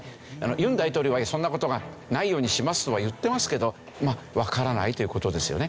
尹大統領はそんな事がないようにしますとは言ってますけどわからないという事ですよね。